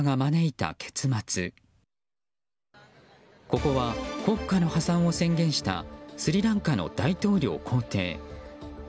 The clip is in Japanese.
ここは国家の破産を宣言したスリランカの大統領公邸。